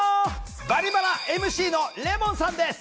「バリバラ」ＭＣのレモンさんです。